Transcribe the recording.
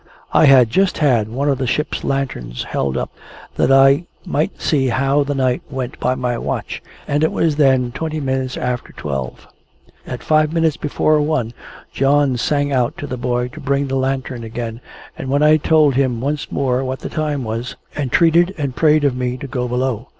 I had just had one of the ship's lanterns held up, that I might see how the night went by my watch, and it was then twenty minutes after twelve. At five minutes before one, John sang out to the boy to bring the lantern again, and when I told him once more what the time was, entreated and prayed of me to go below.